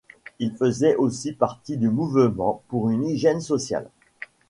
Ils faisaient aussi partie du mouvement pour une hygiène sociale.